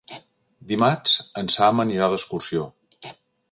Dimarts en Sam anirà d'excursió.